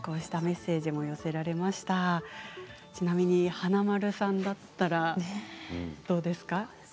華丸さんだったらどうですか？